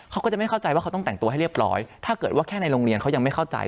เขาก็จะไม่เข้าใจว่าเขาต้องแต่งตัวให้เรียบร้อยถ้าเกิดว่าแค่ในโรงเรียนเขายังไม่เข้าใจ